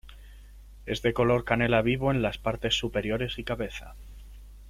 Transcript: Es de color canela vivo en las partes superiores y cabeza.